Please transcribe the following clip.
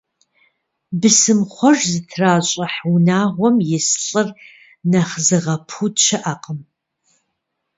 Бысымхъуэж зытращӏыхь унагъуэм ис лӏыр нэхъ зыгъэпуд щыӏэкъым.